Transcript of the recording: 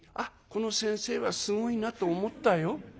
この先生はすごいなと思ったよ」。